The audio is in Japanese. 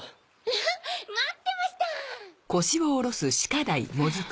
アハ待ってました！